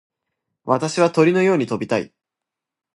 私は鳥のように飛びたい。